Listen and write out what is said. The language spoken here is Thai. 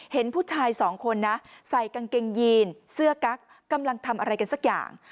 เห็นผู้ชาย๒คนใส่กางเกงซื่อกั๊กกำลังทำอะไรกันสักอย่าง